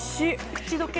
口溶け